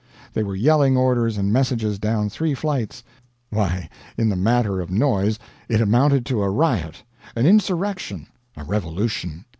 They were yelling orders and messages down three flights. Why, in the matter of noise it amounted to a riot, an insurrection, a revolution.